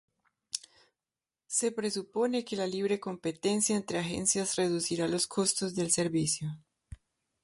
Se presupone que la libre competencia entre agencias reducirá los costos del servicio.